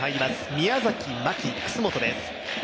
宮崎、牧、楠本です。